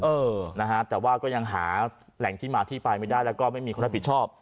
เออนะฮะแต่ว่าก็ยังหาแหล่งที่มาที่ไปไม่ได้แล้วก็ไม่มีคนรับผิดชอบ